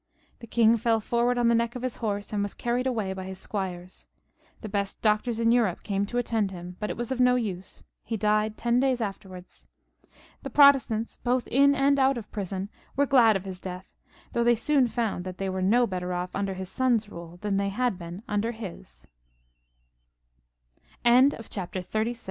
The king fell forward on the neck of his horse, and was carried away by his squires. The best doctors in Europe came to attend him, but it was of no use ; he died ten days afterwards. The Protestants, both in and out of prison, were glad of his death, though they soon found that they were no better off under hi